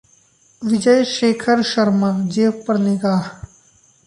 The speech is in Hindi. विजय शेखर शर्माः जेब पर निगाह